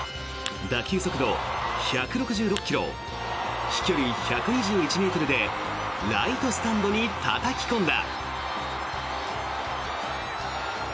打球速度１６６ｋｍ飛距離１２１ｍでライトスタンドにたたき込んだ。